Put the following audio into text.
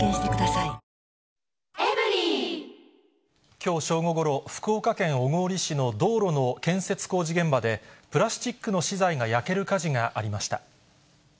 きょう正午ごろ、福岡県小郡市の道路の建設工事現場で、プラスチックの資材が焼ける火事がありました。